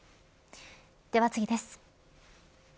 では次です。